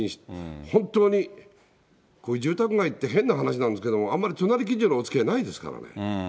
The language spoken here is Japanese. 本当に住宅街って変な話なんですけど、あんまり隣近所のおつきあいないですから。